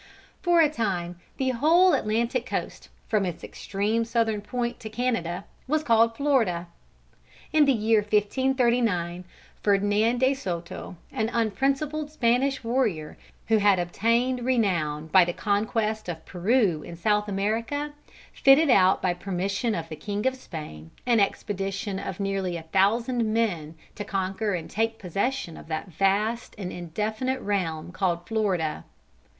For a time the whole Atlantic coast, from its extreme southern point to Canada, was called Florida. In the year 1539, Ferdinand De Soto, an unprincipled Spanish warrior, who had obtained renown by the conquest of Peru in South America, fitted out by permission of the king of Spain, an expedition of nearly a thousand men to conquer and take possession of that vast and indefinite realm called Florida.